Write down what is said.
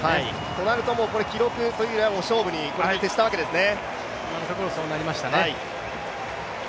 となると記録というより勝負に徹したわけですね。